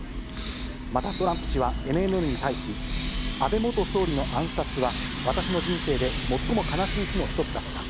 またトランプ氏はＮＮＮに対し、安倍元総理の暗殺は私の人生で最も悲しい日の一つだった。